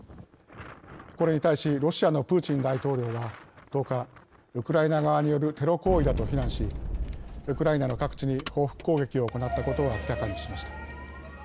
これに対しロシアのプーチン大統領は１０日「ウクライナ側によるテロ行為だ」と非難しウクライナの各地に報復攻撃を行ったことを明らかにしました。